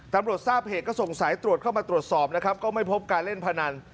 ตำรวจทราบเหตุก็ส่งสายตรวจเข้ามาตรวจสอบนะครับก็ไม่พบการเล่นพนัน